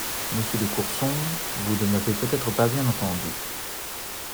Monsieur de Courson, vous ne m’avez peut-être pas bien entendue.